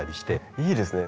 いいですね。